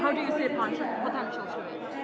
jadi bagaimana anda melihat potensi itu